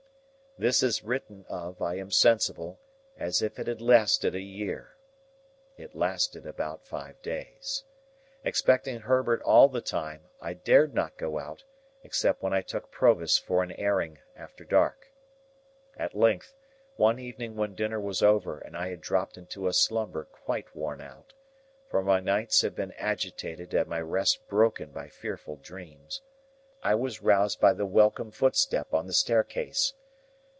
This is written of, I am sensible, as if it had lasted a year. It lasted about five days. Expecting Herbert all the time, I dared not go out, except when I took Provis for an airing after dark. At length, one evening when dinner was over and I had dropped into a slumber quite worn out,—for my nights had been agitated and my rest broken by fearful dreams,—I was roused by the welcome footstep on the staircase.